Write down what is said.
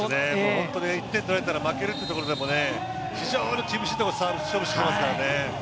１点取られたら負けるというところでも非常に厳しいところサービス、勝負してきてますからほ。